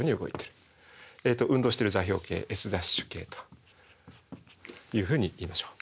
運動してる座標系Ｓ′系というふうに言いましょう。